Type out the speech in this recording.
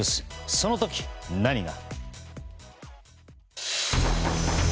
その時、何が。